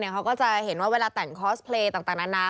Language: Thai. เขาก็จะเห็นว่าเวลาแต่งคอสเพลย์ต่างนานา